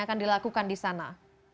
apa yang akan dilakukan di sana